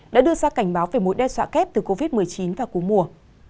đã đưa ra cảnh báo về mối đe dọa kép từ covid một mươi chín vào cuối mùa